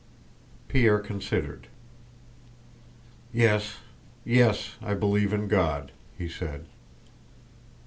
Pierre considered. "Yes... yes, I believe in God," he said.